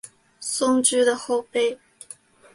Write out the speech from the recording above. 松驹的后辈。